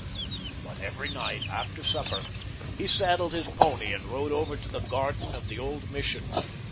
But every night, after supper, he saddled his pony and rode over to the garden of the old Mission.